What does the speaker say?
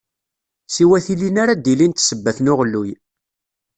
Siwa tilin ara d-ilint sebbat n uɣelluy.